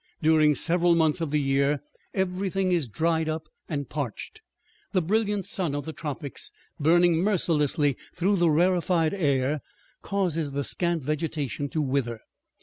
During several months of the year everything is dried up and parched. The brilliant sun of the tropics, burning mercilessly through the rarefied air, causes the scant vegetation to wither.